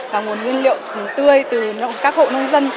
và nguồn nguyên liệu tươi từ các hộ nông dân